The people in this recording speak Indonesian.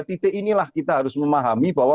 titik inilah kita harus memahami bahwa